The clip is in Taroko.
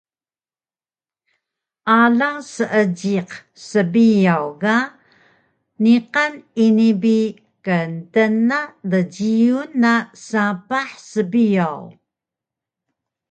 Alang Seejiq sbiyaw ga niqan ini bi ktna djiyun na sapah sbiyaw